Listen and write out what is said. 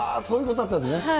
そういうことだったんですね。